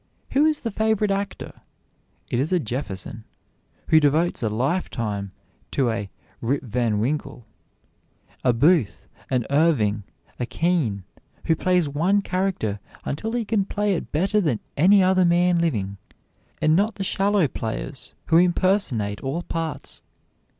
Who is the favorite actor? It is a Jefferson, who devotes a lifetime to a "Rip Van Winkle," a Booth, an Irving, a Kean, who plays one character until he can play it better than any other man living, and not the shallow players who impersonate all parts.